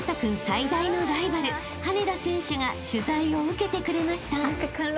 最大のライバル羽根田選手が取材を受けてくれました］